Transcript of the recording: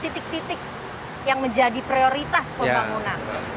tapi itu kan titik titik yang menjadi prioritas pembangunan